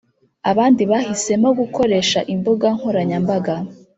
abandi bahisemo gukoresha imbuga nkoranyambaga